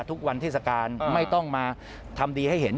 ทุกวันเทศกาลไม่ต้องมาทำดีให้เห็น